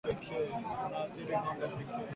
Unaathiri ng'ombe pekee